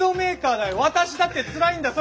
私だってつらいんだよ！